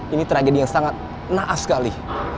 ini tragedi yang sangat naas sekali